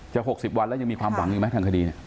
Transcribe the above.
จะ๖๐วันแล้วยังมีความหวังอยู่ไหมทางคดี